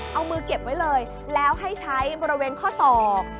เอามือเก็บไว้เลยแล้วให้ใช้บริเวณข้อศอก